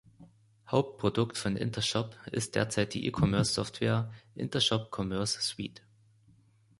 Hauptprodukt von Intershop ist derzeit die E-Commerce-Software "Intershop Commerce Suite".